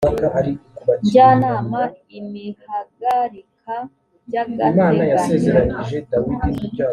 njyanama imihagaarika by’agateganyo